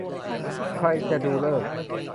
ใครจะดูฤกษ์